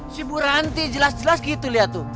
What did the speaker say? si bu ranti jelas jelas gitu lihat tuh